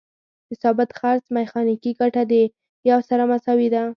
د ثابت څرخ میخانیکي ګټه د یو سره مساوي ده.